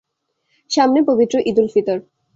সামনে পবিত্র ঈদুল ফিতর।